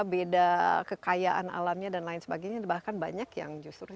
beda kekayaan alamnya dan lain sebagainya bahkan banyak yang justru